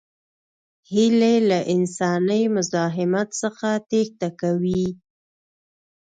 هیلۍ له انساني مزاحمت څخه تېښته کوي